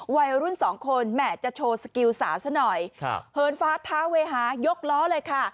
วัยรุ่นสองคนแหม่จะโชว์สกิลสาวซะหน่อยครับเหินฟ้าท้าเวหายกล้อเลยค่ะ